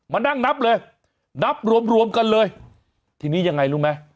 มานั่งนับเลยนับรวมรวมกันเลยทีนี้ยังไงรู้ไหม